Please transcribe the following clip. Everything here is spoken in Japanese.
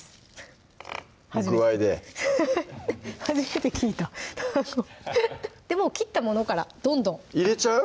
はい具合で初めて聞いたもう切ったものからどんどん入れちゃう？